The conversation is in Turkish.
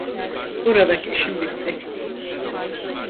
Buradaki işim bitti.